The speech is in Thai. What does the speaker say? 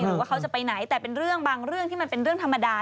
หรือว่าเขาจะไปไหนแต่เป็นเรื่องบางเรื่องที่มันเป็นเรื่องธรรมดา